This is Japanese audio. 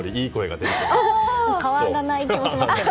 変わらない気もしますけど。